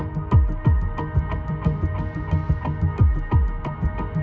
จงทุ่มให้ลูกไอ้กินให้เรียบร้อย